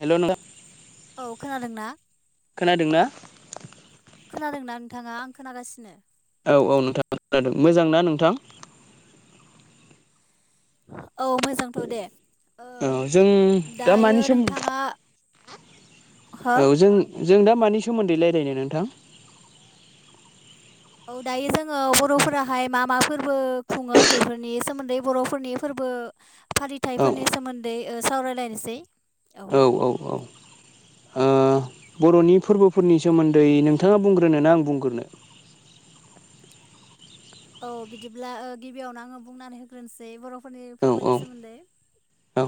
Hello नोंथां। औ खोनादोंना? खोनादों ना खोनादों ना नोंथाङा आं खोनागासिनो। औ औ नोंथाङा खोनादों मोजां ना नोंथां? [unintelligible] औ मोजांथ' दे ओ औ जों दा दायो मानि सोम नोंथाङा हो औ जों जों दा मानि सोमोन्दै रायलायनो नोंथां? औ दायो जोङो बर'फोराहाय मा मा फोरबो खुङो बेफोरनि सोमोन्दै बर'फोरनि फोरबो औ फालिथायफोरनि सोमोन्दै ओ सावरायलायनोसै। औ औ औ ओ बर'नि फोरबोफोरनि सोमोन्दै नोंथाङा बुंग्रोनोना आं बुंग्रोनो? [inaudible] औ बिदिब्ला ओ गिबियावनो आङो बुंनानै होग्रोनोसै बर' फोरनि औ फोरबोनि सोमोन्दै औ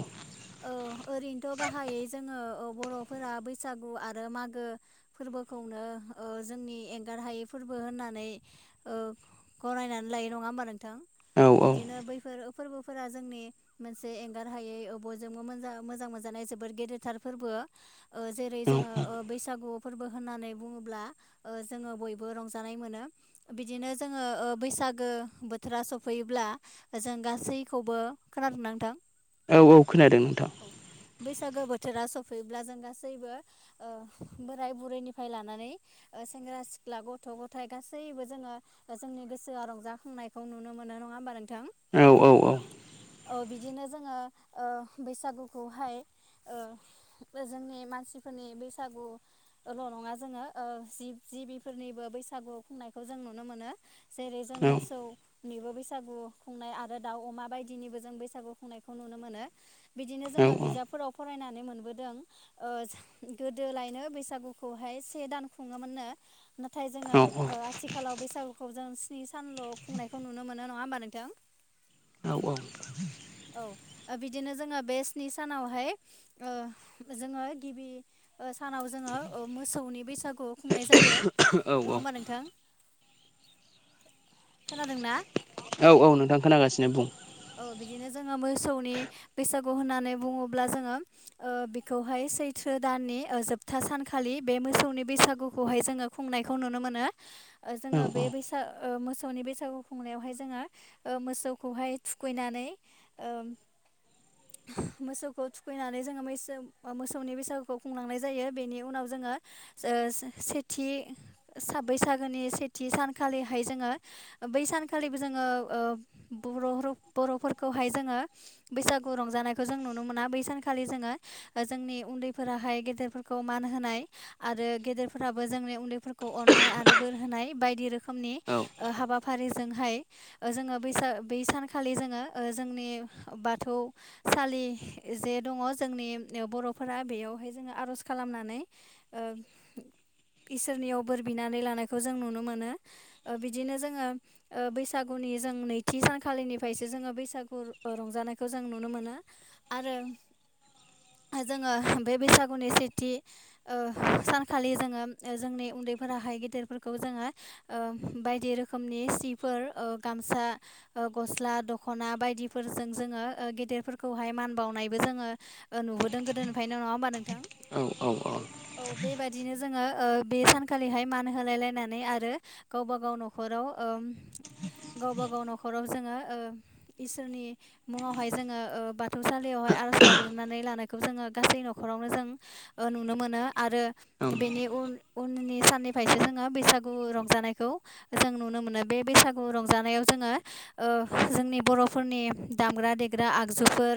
औ ओरैनोथ' गाहायै जोङो ओ बर'फोरा बैसागु आरो मागो फोरबोखौनो ओ जोंनि एंगार हायै फोरबो होननानै ओ गनायनानै लायो नङा होमबा नोंथां? औ औ बिदिनो बैफोर फोरबोफोरा जोंनि मोनसे एंगार हायै ओ बयजोंबो मोज मोजां मोनजा जोबद गेदेरथार फोरबो जेरै औ जोङो ओ बैसागु फोरबो होननानै बुङोब्ला ओ जोङो बयबो रंजानाय मोनो बिदिनो जों जोङो ओ बैसागो बोथोरा सफैयोब्ला जों गासैखौबो खोनादोंनां नोथां? औ औ खोनादों नोंथां औ बेैसागो बोथोरा सब फैब्ला जों गासैबो ओ बोराय बुरैनिफ्राय लानानै ओ सेंग्रा सिख्ला गथ' गथ' गथाय गासैबो जोङो जोंनि गोसोआ रंजाखांनायखौ नुनो मोनो नङा होमबा नोंथां? औ औ औ। औ बिदिनो जोङो ओ बैसागुखौहाय ओ जोंनि मानसिफोरनि बैसागुल' नङा जोङो जिब जिबिफोरनिबो बैसागु खुंनायखौ जों नुनो मोनो जेरै जों औ मोसौ निबो बैसागु खुंनाय आरो दाउ, अमा बायदिनिबो जों बैसागु खुंनायखौ नुनो मोनो बिदिनो जोङो बिजाबफोराव फरायनानै मोनबोदों ओ गोदोलायनो बैसागुखौहाय से दान खुङोमोननो नाथाय जोङो ओ आथिखालाव बैसागु खौ जों स्नि सानल' खुंनायखौ नुनो मोनो नङा होमबा नोंथां औ औ ओ बिदिनो जोङो बे स्नि सानावहाय ओ जोङो गिबि ओ सानाव जोङो ओ मोसौनि बैसागु खुंनाय जायो औ नङाहोनबा नोंथां खोनादोंना औ - औ नोंथां खोनागासिनो बुं औ बिदिनो जोङो मोसौनि बैसागु होननानै बुङोब्ला जोङो ओ बिखौहाय सैथ्रो दाननि जोबथा सानखालि बे मोसौनि बैसागुखौहाय जोङो खुंनायखौ नुनो मोनो ओ औ जोङो बे बैसाग ओ मोसौनि बैसागु खुंनायावहाय जोङो ओ मोसौखौहाय थुखैनानै ओ मोसौखौ थुखैनानै जोङो मैसो अ मोसौनि बैसागुखौ खुंलांनाय जायो बेनि उनाव जों जोङो ओ सेथि साब बैसागोनि सेथि सानखालिहाय जोङो बै सानखालिबो जोङो ओ बर' राव बर'फोरखौहाय जोङो बैसागु रंजानायखौ जों नुनो मोना बै सानखालि जोङो जोंनि उन्दैफोराहाय गेदेरफोरखौ मान होनाय आरो गेदेरफोराबो जोंनि उन्दैफोरखौ अननाय आरो बोर होनाय बायदि रोखोमनि औ ओ हाबाफारिजोंहाय जोंओ बैसाग बै सान खालि खालि जोङो जोंनि बाथौसालि जे दङ जोंनि ओ बर' फोरा बेयावहाय जोङो आर'ज खालामनानै ओ इसोरनियाव बोर बिनानै लानायखौ जों नुनो मोनो ओ बिदिनो जोङो ओ बैसागुनि जों नैथि सानखालिनि फायसो जोङो बैसागु रंजानायखौ जों नुनो मोनो आरो जोङो बे बैसागुनि सेथि ओ सानखालि जोङो जोंनि उन्दैफोरा हाय गिदिरफोरखौ जोङो ओ बायदि रोखोमनि सिफोर ओ गामसा ओ ग गस्ला दख'ना बायदिफोरजों जोङो ओ गेदेरफोरखौहाय मान बावनायबो जोङो ओ नुबोदों गो दोननिफ्राय नङा होमा नोंथां औ -औ -औ औ बेबायाददिनो जोङो ओ बे सानखालिहाय मान होलाय लायनानै आरो गावबा गाव न'खराव ओम गावबा गाव न'खराव जोङो ओ इसोरनि मुङावहाय जोङो ओ बाथौसालियावहाय आर'ज गाबग्रोनानै लानायखौ जोङो गासै न'खराव ओ नुनो मोनो आरो औ बेनि उ उननि साननिफ्रायसो जोङो बैसागु गु रंजानायखौ जों नुनो मोनो बे बैसागु रंजानायाव जोङो ओ जोंनि बर'फोरनि दामग्रा - देग्रा आगजुफोर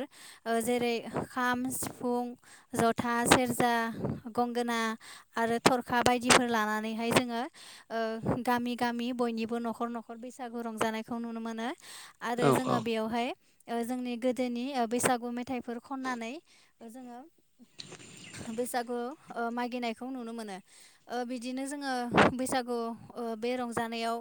ओ जेरै खाम, सिफुं सिफुं, जथा, सेरजा, गंगोना आरो थरखा बायदिफोर लानानै जोङो गामि- गामि बयनिबो न'खर -न'खर बैसागु रंजानायखौ नुनो मोनो आरो जोङो बेयावहाय जोंनि गोदोनि बैसागु मेथाइफोर खननानै जोङो बैसागु मागिनायखौ नुनो मोनो बिदिनो जोङो बैसागु बे रंजानायाव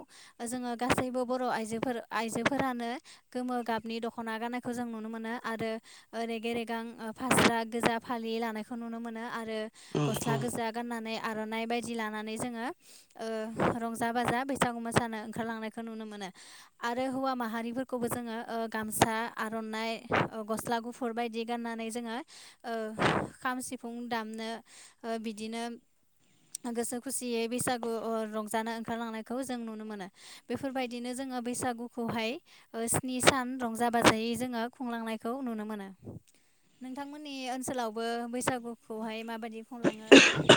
जोङो गासैबो बर' आइजोफोर आइजोफोर फोरानो गोमो गाबनि दख'ना गाननायखौ जों नुनो मोनो आरो ओरैग रेगां फास गोजा फालि लानायखौ नुनो मोन आरो औ गस्ला औ गोजा गाननानै आर'नाइ बायदि लानानै जोङो रंजा- बाजा बैसागु मोसानो ओंखारलांनायखौ नुनो मोनो आरो हौवा मा माहारिफोरखौबो जोङो गामसा आर'नाइ गस्ला गुफुर बायदि गाननानै जोङो ओ खाम सिफुं दामनो बिदिनो गोसो खुसियै बैसागु रंजानो ओंखारलांनायखौ जों नुनो मोनो बेफोरबायदिनो जों जङो बैसागुखौहाय स्नि सान रंजा बाजायै जोङो खुंलांनायखौ नुनो मोनो नोंथांमोननि ओनसोलावबो बैसागुखौहाय माबायदि खुंलाङो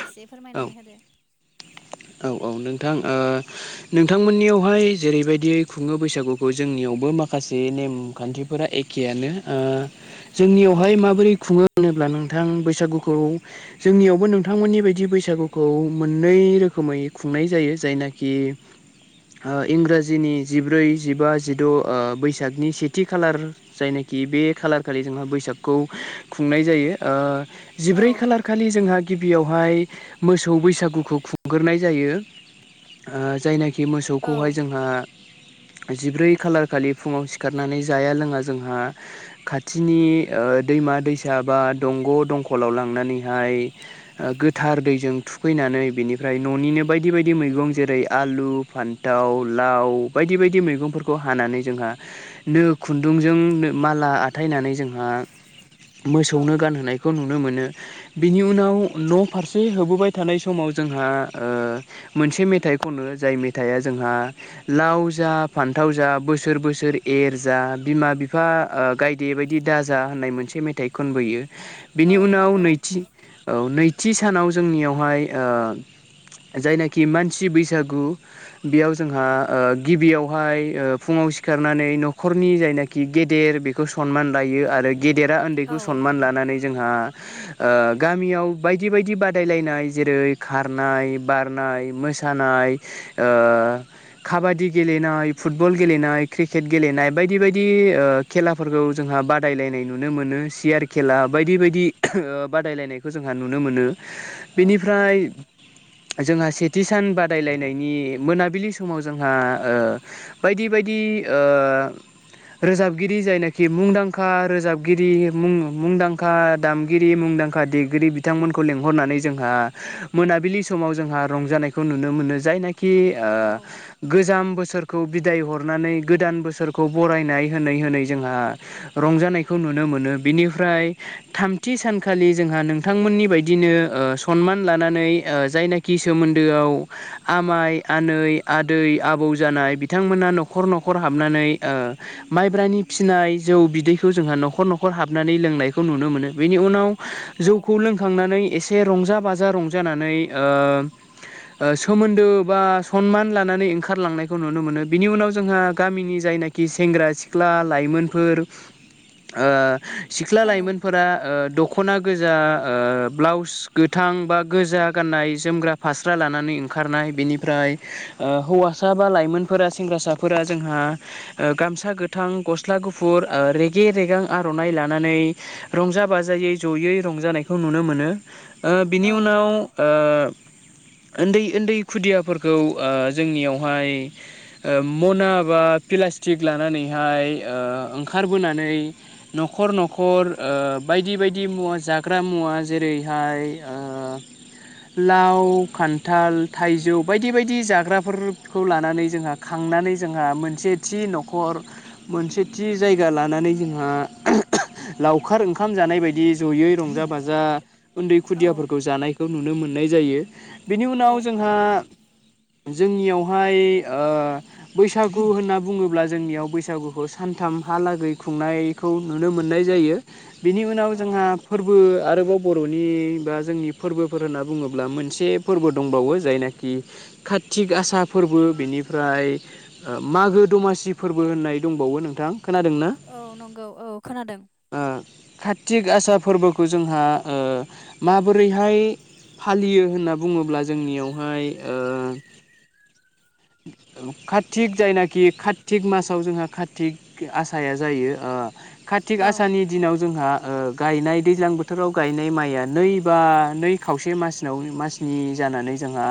एसे औ फोरमायनानै होदो औ औ नोंथां ओ नोंथांमोननियावहाय जेरैबायदि खुङो बैसागुखौ जोंनियाव आवबो माखासे नेमखान्थिफोरा ऐखेयानो ओ औ जोंनियावहाय माबोरै खुङो होनोब्ला नोंथां बैसागुखौ जोंनियावबो नोंथांमोननि बायदि बैसागुखौ मोननै रोखोम रोखोमै खुंनाय जायो जायनाखि इंराजिनि जिब्रै जिबा जिद' बैसागनि सेथि खालार जायनाखि कि बे खालार खालि जोंहा बैसागखौ खुंनाय जायो ओ औ जिब्रै खालार खालि जोंहा गिबियावहाय मोसौ बैसागुखौ खुं ग्रोनाय जायो जायनाखि मोसौखौहाय औ जोंहा जिब्रै खालार खालि फुङाव सिखारनानै जाया लोङा जोंहा खाथिनि ओ दै मा दैसाबा दंग दंकलाव लांनानैहाय गोथार दैजों थुखैनानै बिनि ओमफ्राय न'निनो बायदि बायदि मैगं जेरै आलु फान्थाव लाव बायदि बायदि मैगंफोरखौ हानानै जोंहा नो खुन्दुंजों माला आथायनानै जोंहा औ मोसौनो गानहोनायखौ नुनो मोनो बिनि उनाव न' फारसे होबोबाय थानाय समाव जोंहा ओ मोनसे मेथाइ खनो जाय मेथाइआ जोंहा लाव जा फान थाव जा बोसोर बोसोर एर जा बिमा बिफा गायदे बायदि दाजा होननाय मोनसे मेथाइ मिथाइ खनबोयो बिनि औ उनाव नंगौ नैथि औ नैथि सानाव जोंनियावहाय ओ जायनाखि मानसि बैसागु बेयाव जोंहा गिबियावहाय फुङाव सिखारनानै न'खरनि जायनाखि गेदेर बेखौ सनमान लायो आरो गेदेरा उन्दैखौ औ सनमान लानानै जोंहा गामियाव बायदि बायदि बादायलायनाय जेरै खारनाय बारनाय मोसानाय ओ काबादि गेलेनाय फुटबल गेलेनाय क्रिकेट गेलेनाय बायदि बायदि खेलाफोरखौ जोंहा जोंहा बादायलायनाय नुनो मोनो सियार खेला बायदि बायदि बादायलायनायखौ जोंहा नुनो मोनो औ नंगौ बेनिफ्राय जोंहा सेथि सान बादायलायनायनि मोनाबिलि फलि समाव जोंहा बायदि बायदि रोजाबगिरि जायनाखि मुंदांखा रोजाबगिरि मुंदांखा दामगिरि मुं दांखा दैगिरि बिथांमोनखौ लिंहरनानै जोंहा मोनाबिलि समाव जोंहा रंजानायखौ नुनो मोनो जायनाखि औ गोजाम बोसोराव बोसोरखौ बिदाय हरनानै गोदान बोसोरखौ बरायनाय होनानै होनै जोंहा रंजानायखौ नु नो बिनिफ्राय थामथि सानखालि जोंहा नोंथांमोननि बायदिनो सनमान ला नानै जायनाखि सोमोन्दोआव आमाइ आनै आदै आबौ जानाय बिथांमोना न'खर न'खर हाबनानै माइब्रानि फिसिनाय जौ बिदैखौ जोंहा न'खर न'खर न हाबनानै लोंनायखौ नुनो मोनो बेनि उनाव औ जौखौ लोंखांनानै एसे रंजा बाजा रज जानानै सोमोन्दो बा सनमान लानानै ओंखारलांनायखौ नुनो मोनो बिनि उनाव जोंहा गामिनि जाय जायनाखि सेंग्रा सिख्ला लाइमोनफोर सिख्ला लाइमोनफोरा दख'ना गोजा ब्लाउस गोथां बा गोजा गाननाय जोमग्रा फास्रा लानानै ओंखारनाय बेनिफ्राय हौवासा बा लाइमोन फोरा सेंग्रासाफोरा जोंहा गामसा गोथां गस्ला गुफुर रेगे रेगां आर' नाय लानानै रंजा बाजायै जयै रंजानायखौ नुनो मोनो ओ बिनि औ उनाव नंगौ ओ [unintelligible] उन्दै उन्दै खुदियाफोरखौ ओ जोंनियावहाय ओ मना बा फिला प्लासटिक लानानैहाय ओ ओंखारबोनानै न'खर न'खर ओ बाय बायदि बायदि मुवा जाग्रा मुवा जेरैहाय ओ [inaudible] लाव खान्थाल थाइजौ बायदि बायदि जाग्राफोरखौ लानानै जोंहा खा थांनानै जोंहा मोनसे थि न'खर मोनसे थि जायगा लानानै जोंहा लावखार ओंखाम जानाय बायदि जयै रंजा बाजा उन्दै औ खुदियाफोरखौ जानायखौ नुनो मोननाय जायो बेनि उनाव औ जोंहा जोंनियावहाय ओ बैसागु होनना बुङोब्ला जोंनियाव बैसागुखौ सानथाम थाम हालागै खुंनायखौ नुनो मोननाय जायो। बिनि उनाव औ जोंहा फोरबो आरोबाव बर'नि बा जोंनि फोरबोफोर होनना बुङोब्ला मोनसे फोरबो दंबावो जायनाखि कातिक आसा फोरबो फोरबो बेनिफ्राय मागो दमासि फोरबो होननाय दंबावो नोंथां खोनादों ना? औ नंगौ औ खोनादों कारतिक आसा फोरबोखौ जोंहा ओ माबोरैहाय फालियो होनना बुङोब्ला जोंनियावहाय ओ [inaudible] कारतिक जायनाखि कारतिक मासाव जोंहा कारतिक आसाया जायो ओ कार्तिक औ आसानि दिनाव जोंहा ओ गायनाय दैज्लां बोथोराव गायनाय माइया नै बा नै खावसे मासाव मासनि जा जानानै जोंहा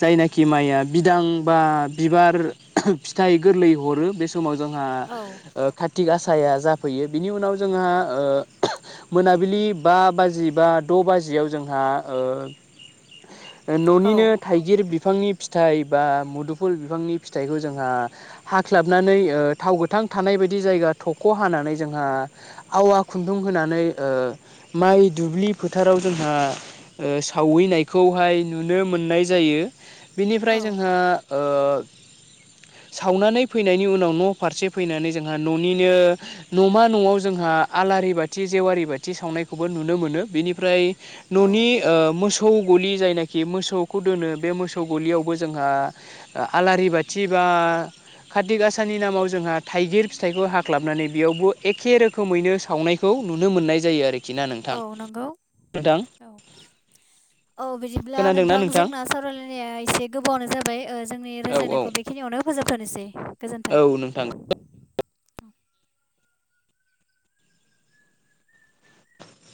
जायनाखि माइया बिदां बा बिबार फिथाइ गोरलै हरो बे समाव जोंहा औ ओ खाथ थिग आसाया जाफैयो बिनि उनाव जोंहा ओ मोनाबिलि बा बाजि बा द' बाजियाव जोंहा ओ [inaudible] औ न'निनो थाइगिर बिफांनि फिथाइ बा मुदुफुल बिफांनि फिथाइखौ जोंहा हाख्लाबनानै थाव गोथां थानाय बायदि जायगा थख' ख हानानै जोंहा आवा खुन्दुं होनानै माइ दुब्लि फोथाराव जोंहा ओ सावहैनायखौहाय नुनो मोननाय जायो औ बेनिफ्राय जोंहा ओ सावनानै फैनायनि उनाव न' फारसे फैनानै जोंहा न'निनो न'मा न'आव जोंहा आलारि बाथि जेवारि बाथि सावनायखौबो नुनो मोनो बेनिफ्राय औ न'नि ओ मोसौ गलि जायनाखि मोसौखौ दोनो बे मोसौ गलियावबो जोंहा आलारि बाथि बा कार्तिक आसानि नामाव जोंहा थाइगिर फिथाइखौ हाख्लाबनानै बेयावबो एखे रोखोमैनो सावनायखौ नुनो मोननाय जायो आरोख औ नंगौ औ बिदिब्ला नोंथां जोंना सावरायलायनाया एसे गोबावानो जाबाय बे जोंनि औ रायज्लायनायखौ बेखिनियावनो फोजोबथ'नोसै। गोजोन्थों। औ नोंथां [unintelligible]